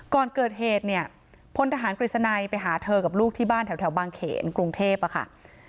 ก่อนเกิดเหตุเนี่ยพลทหารกฤษณัยไปหาเธอกับลูกที่บ้านแถวบางเขนกรุงเทพอะค่ะ